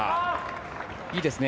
いいですね。